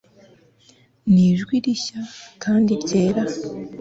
nijwi rishya kandi ryera